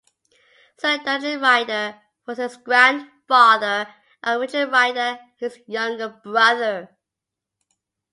Sir Dudley Ryder was his grandfather and Richard Ryder his younger brother.